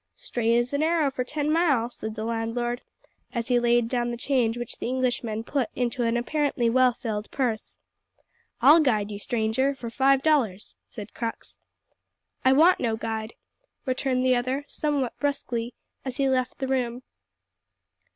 "Straight as an arrow for ten mile," said the landlord, as he laid down the change which the Englishman put into an apparently well filled purse. "I'll guide you, stranger, for five dollars," said Crux. "I want no guide," returned the other, somewhat brusquely, as he left the room.